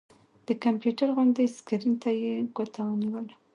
د کمپيوټر غوندې سکرين ته يې ګوته ونيوله